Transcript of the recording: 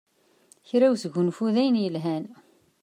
Kra n usgunfu d ayen yelhan.